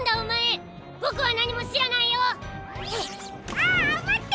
あっまって！